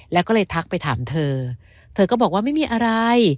แล้วก็เลยทักไปถามเธอเธอก็บอกว่าไม่มีอะไร